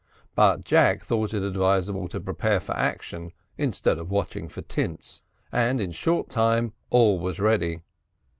But Jack thought it advisable to prepare for action instead of watching for tints and in a short time all was ready.